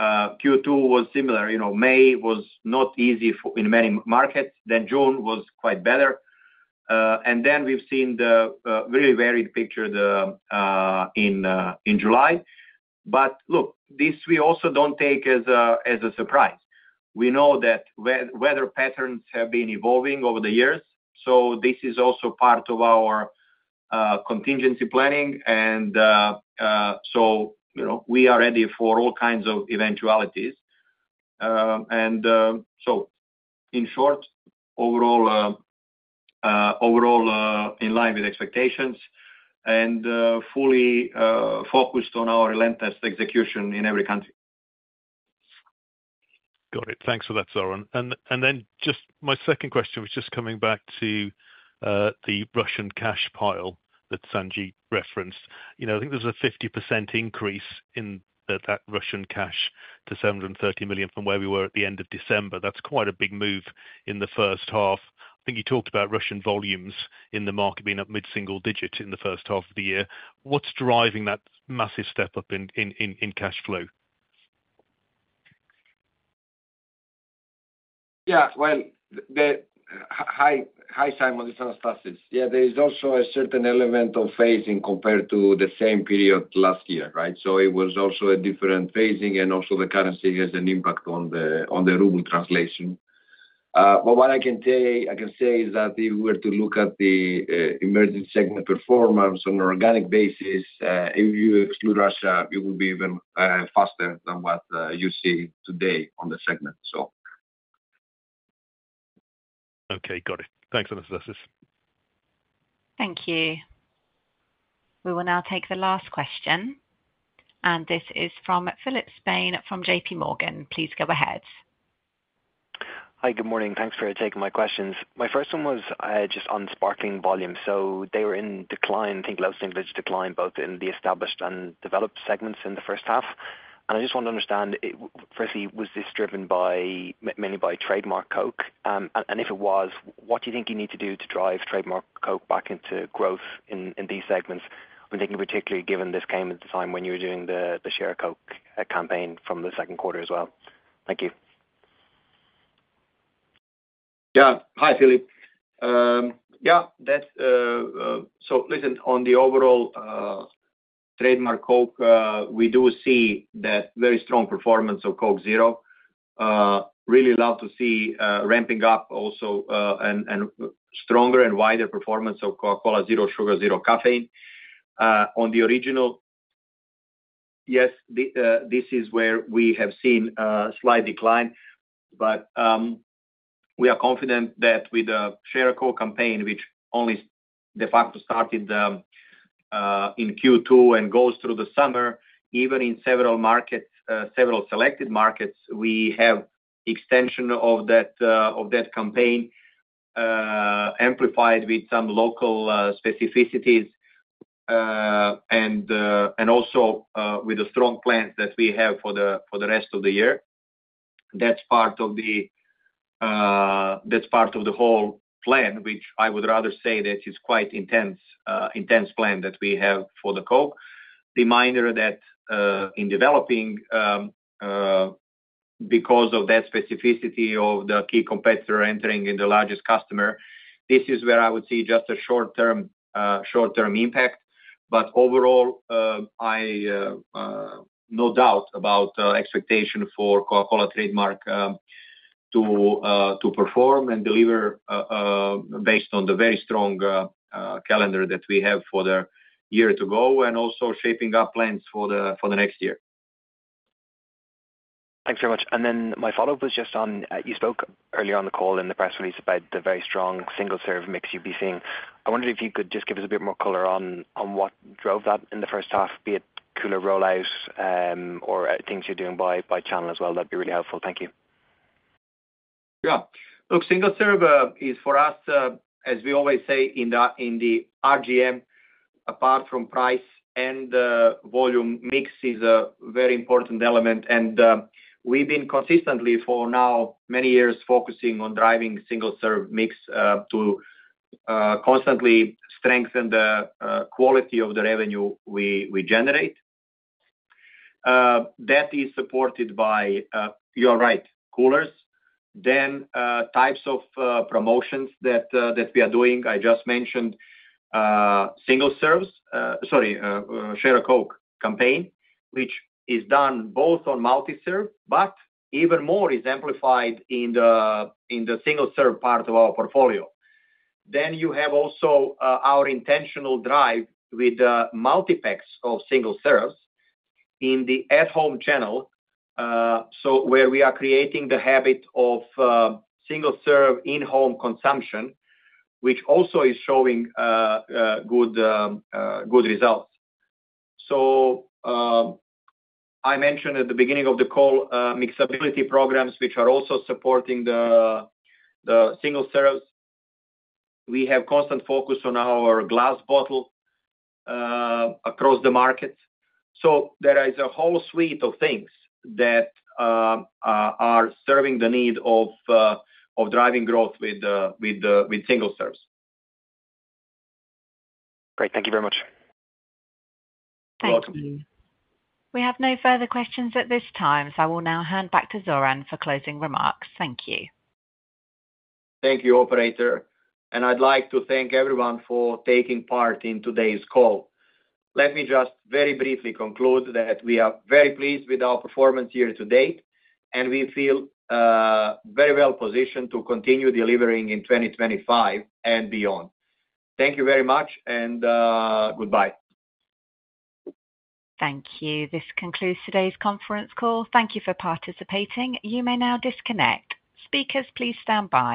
Q2 was similar. You know, May was not easy in many markets, then June was quite better. We've seen the very varied picture in July. This we also don't take as a surprise. We know that weather patterns have been evolving over the years. This is also part of our contingency planning. You know, we are ready for all kinds of eventualities. In short, overall in line with expectations and fully focused on our relentless execution in every country. Got it. Thanks for that, Zoran. My second question was just coming back to the Russian cash pile that Sanjeet referenced. I think there's a 50% increase in that Russian cash to 730 million from where we were at the end of December. That's quite a big move in the first half. I think you talked about Russian volumes in the market being up mid single-digit in the first half of the year. What's driving that massive step up in cash flow? There is also a certain element of phasing compared to the same period last year. It was also a different phasing, and also the currency has an impact on the ruble translation. What I can say is that if we were to look at the emerging segment performance on an organic basis, if you exclude Russia, it will be even faster than what you see today on the segment. Okay, got it. Thanks, Anastasis. Thank you. We will now take the last question. This is from Philip Spain from JPMorgan. Please go ahead. Hi, good morning. Thanks for taking my questions. My first one was just on sparkling volumes. They were in decline, I think low single digits decline both in the established and developed segments in the first half. I just want to understand firstly, was this driven mainly by trademark Coke and if it was, what do you think you need to do to drive trademark Coke back into growth in these segments? I'm thinking particularly given this came at the time when you were doing the Share a Coke campaign from the second quarter as well. Thank you. Yeah. Hi Philip. Yeah, that. On the overall trademark Coke we do see that very strong performance of Coke Zero. Really love to see ramping up also and stronger and wider performance of Coca-Cola Zero Sugar, zero caffeine. On the original, yes, this is where we have seen a slight decline. We are confident that with the Share a Coke campaign, which only de facto started in Q2 and goes through the summer, even in several selected markets we have extension of that campaign amplified with some local specificities and also with the strong plans that we have for the rest of the year. That's part of the whole plan, which I would rather say that is quite intense plan that we have for the Coke. Reminder that in developing, because of that specificity of the key competitor entering in the largest customer, this is where I would see just a short-term impact. Overall, I have no doubt about expectation for Coca-Cola trademark to perform and deliver based on the very strong calendar that we have for the year to go and also shaping up plans for the next year. Thanks very much. Then my follow up was just on you spoke earlier on the call in the press release about the very strong single-serve mix you'd be seeing. I wondered if you could just give us a bit more color on what drove that in the first half, be it cooler rollout or things you're doing by channel as well. That'd be really helpful. Thank you. Yeah, look, single-serve is for us, as we always say in the RGM, apart from price and volume mix, is a very important element. We've been consistently for now many years focusing on driving single-serve mix to constantly strengthen the quality of the revenue we generate. That is supported by, you're right, coolers, then types of promotions that we are doing. I just mentioned single-serves, sorry, Share a Coke campaign, which is done both on multi serve, but even more is amplified in the single-serve part of our portfolio. You have also our intentional drive with multipacks of single serves in the at-home channel, where we are creating the habit of single-serve in home consumption, which also is showing good, good results. I mentioned at the beginning of the call mixability programs, which are also supporting the single-serves. We have constant focus on our glass bottle across the market. There is a whole suite of things that are serving the need of driving growth with single-serves. Great. Thank you very much. Thank you. We have no further questions at this time. I will now hand back to Zoran for closing remarks. Thank you. Thank you, operator. I'd like to thank everyone for taking part in today's call. Let me just very briefly conclude that we are very pleased with our performance year to date, and we feel very well positioned to continue delivering in 2025 and beyond. Thank you very much and goodbye. Thank you. This concludes today's conference call. Thank you for participating. You may now disconnect. Speakers, please stand by.